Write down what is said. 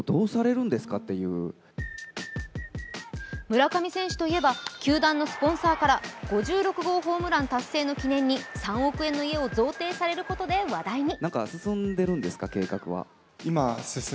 村上選手といえば、球団のスポンサーから５６号ホームラン達成の記念に３億円の家を贈呈されることで話題に。